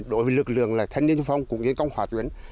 đối với lực lượng là thanh niên sung phong cũng như công hòa tuyến